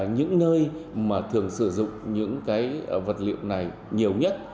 những nơi mà thường sử dụng những cái vật liệu này